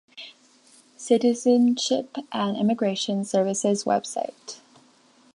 Citizenship and Immigration Services website.